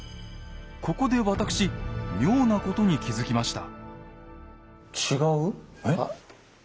ここで私妙なことに気付きました。